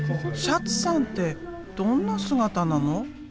「シャツさんってどんな姿なの？」。